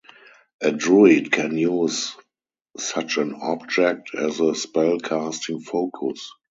A druid can use such an object as a spellcasting focus.